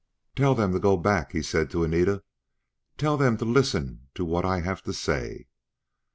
"Tell them to go back," he said to Anita; "tell them to listen to what I have to say!"